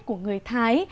của người thái